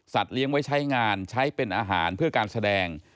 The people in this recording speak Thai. เลี้ยงไว้ใช้งานใช้เป็นอาหารเพื่อการแสดง